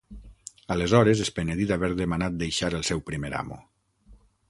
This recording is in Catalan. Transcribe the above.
Aleshores es penedí d'haver demanat deixar el seu primer amo.